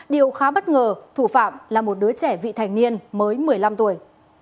điều khá bất ngờ thủ phạm là một đứa trẻ vị thành niên mới một mươi năm tuổi